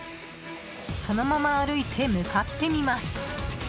そのまま歩いて向かってみます。